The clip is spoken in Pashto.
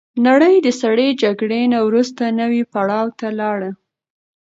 نړۍ د سړې جګړې نه وروسته نوي پړاو ته لاړه.